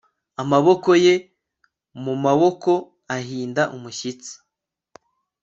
Amaboko ye mumaboko ahinda umushyitsi